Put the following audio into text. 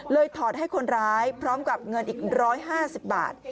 ถอดให้คนร้ายพร้อมกับเงินอีก๑๕๐บาท